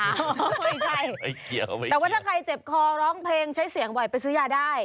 ไม่ใช่ไม่เกี่ยวแต่ว่าถ้าใครเจ็บคอร้องเพลงใช้เสียงไหวไปซื้อยาได้